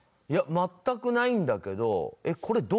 いや全くないんだけど。